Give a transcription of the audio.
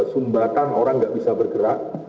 sumbatan orang nggak bisa bergerak